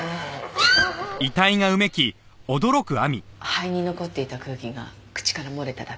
肺に残っていた空気が口から漏れただけ。